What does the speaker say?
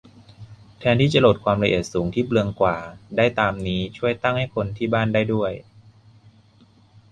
แทนที่จะโหลดความละเอียดสูงที่เปลืองกว่า ได้ตามนี้ ช่วยตั้งให้คนที่บ้านได้ด้วย